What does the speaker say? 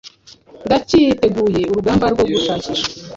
Ndacyiteguye urugamba rwo gushakisha